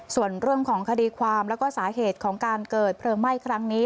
ส่วนเรื่องของคดีความแล้วก็สาเหตุของการเกิดเพลิงไหม้ครั้งนี้